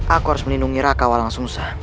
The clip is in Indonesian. aku harus menindungi raka walang sungsang